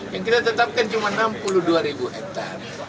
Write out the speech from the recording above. yang kita tetapkan cuma enam puluh dua ribu hektare